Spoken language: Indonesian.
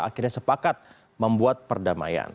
akhirnya sepakat membuat perdamaian